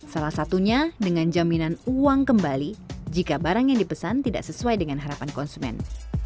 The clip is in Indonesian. salah satunya dengan jaminan uang kembali jika barang yang dipesan tidak sesuai dengan harapan konsumen